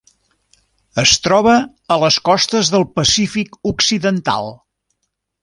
Es troba a les costes del Pacífic occidental.